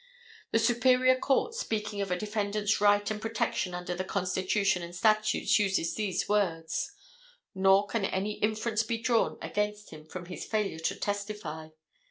The Superior Court, speaking of a defendant's right and protection under the constitution and statutes, uses these words: "Nor can any inference be drawn against him from his failure to testify."